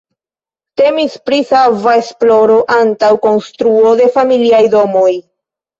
Temis pri sava esploro antaŭ konstruo de familiaj domoj.